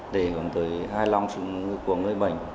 để còn tới hài lòng của người bệnh